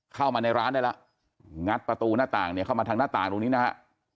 เข้ามาในร้านได้แล้วงัดประตูหน้าต่างเนี่ยเข้ามาทางหน้าต่างตรงนี้นะฮะ